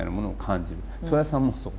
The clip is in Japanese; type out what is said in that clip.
戸谷さんもそう。